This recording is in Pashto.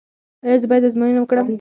ایا زه باید ازموینې وکړم؟